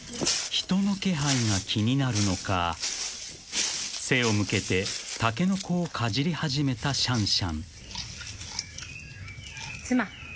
［人の気配が気になるのか背を向けてタケノコをかじり始めたシャンシャン］